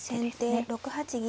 先手６八銀。